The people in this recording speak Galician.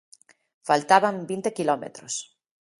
Faltaban vinte quilómetros.